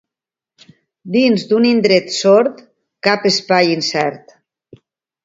Dins d’un indret sord, cap espai incert.